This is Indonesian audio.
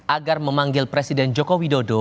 agar memanggil presiden jokowi dodo